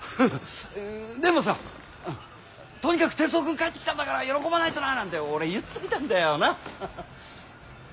でもさ「とにかく徹生君帰ってきたんだから喜ばないとな」なんて俺言っといたんだよな。